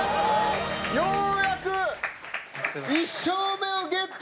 ようやく１勝目をゲットしました。